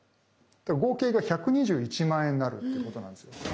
だから合計が１２１万円になるということなんですよ。